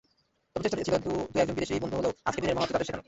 তবে চেষ্টা ছিল দু–একজন বিদেশি বন্ধুকে হলেও আজকের দিনের মহত্ত্ব তাদের শেখানো।